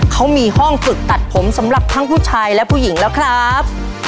เขามีห้องฝึกตัดผมสำหรับทั้งผู้ชายและผู้หญิงแล้วครับ